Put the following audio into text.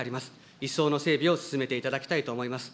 一層の整備を進めていただきたいと思います。